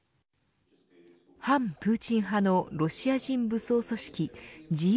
反プーチン派のロシア人武装組織自由